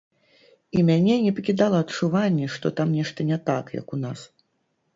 І мяне не пакідала адчуванне, што там нешта не так, як у нас.